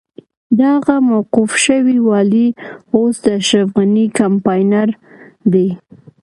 دغه موقوف شوی والي اوس د اشرف غني کمپاينر دی.